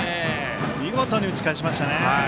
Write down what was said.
見事に打ち返しましたね。